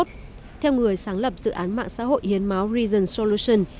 theo người sáng lập dự án mạng xã hội hiến máu rigen solution